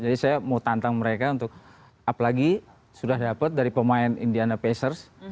jadi saya mau tantang mereka untuk apalagi sudah dapat dari pemain indiana pacers